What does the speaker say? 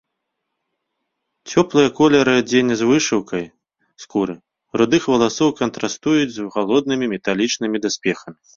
Цёплыя колеры адзення з вышыўкай, скуры, рудых валасоў кантрастуюць з халоднымі металічнымі даспехамі.